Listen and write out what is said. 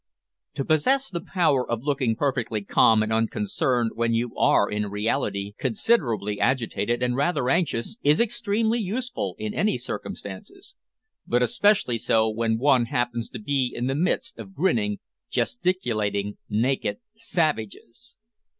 To possess the power of looking perfectly calm and unconcerned when you are in reality considerably agitated and rather anxious, is extremely useful in any circumstances, but especially so when one happens to be in the midst of grinning, gesticulating, naked savages.